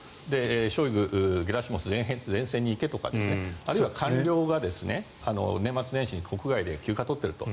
ショイグ、ゲラシモフ前線に行けとかあるいは官僚が年末年始に国外で休暇を取っていると。